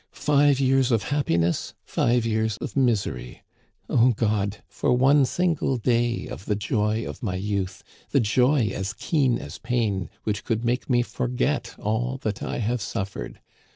Five years of happiness ! Five years of misery ! O God ! for one single day of the joy of my youth, the joy as keen as pain, which could make me forget all that I have suffered